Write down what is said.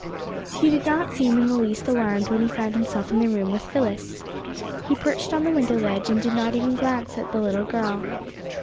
He did not seem in the least alarmed when he found himself in the room with Phyllis. He perched on the window ledge and did not even glance at the little girl.